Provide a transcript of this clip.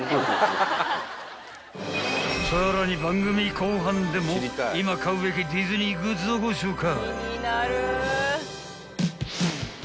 ［さらに番組後半でも今買うべきディズニーグッズをご紹介］